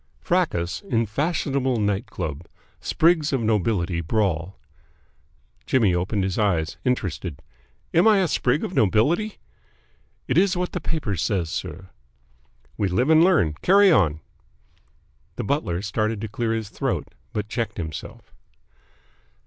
FRACAS IN FASHIONABLE NIGHT CLUB SPRIGS OF NOBILITY BRAWL Jimmy opened his eyes, interested. "Am I a sprig of nobility?" "It is what the paper says, sir." "We live and learn. Carry on." The butler started to clear his throat, but checked himself.